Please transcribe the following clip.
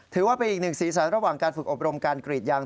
ถือว่าเป็นอีกหนึ่งสีสันระหว่างการฝึกอบรมการกรีดยาง